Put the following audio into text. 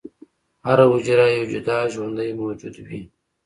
هره حجره یو جدا ژوندی موجود وي.